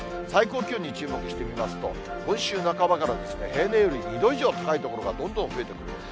最高気温に注目してみますと、今週半ばから、平年より２度以上高い所がどんどん増えてくる。